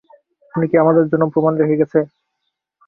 খুনি কি আমাদের জন্য প্রমাণ রেখে গেছে?